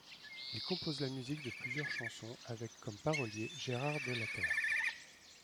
Il compose la musique de plusieurs chansons avec comme parolier Gérard Delaeter.